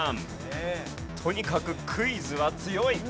とにかくクイズは強い。